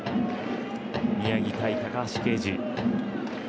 宮城対高橋奎二。